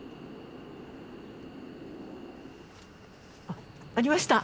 あありました！